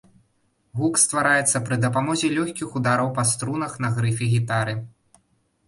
Гук ствараецца пры дапамозе лёгкіх удараў па струнах на грыфе гітары.